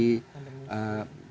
perguruan tinggi dan lembaga rakyat